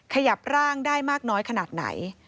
ขยับร่างได้มากน้อยขนาดไหน